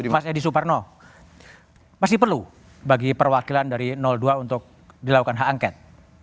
mas edi suparno masih perlu bagi perwakilan dari dua untuk dilakukan hak angket